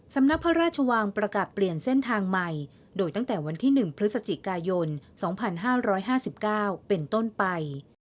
สำนักพระราชวังประกาศเปลี่ยนเส้นทางใหม่โดยตั้งแต่วันที่๑พฤศจิกายน๒๕๕๙เป็นต้นไป